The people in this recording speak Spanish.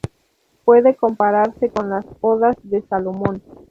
Puede compararse con las Odas de Salomón.